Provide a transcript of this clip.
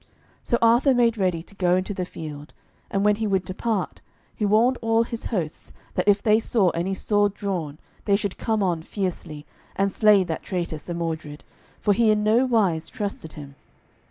So Arthur made ready to go into the field, and when he would depart, he warned all his hosts that if they saw any sword drawn, they should come on fiercely, and slay that traitor Sir Mordred, for he in no wise trusted him.